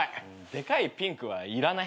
でかいピンクはいらない。